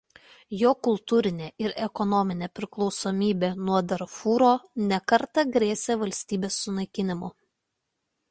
Jo kultūrinė ir ekonominė priklausomybė nuo Darfūro ne kartą grėsė valstybės sunaikinimu.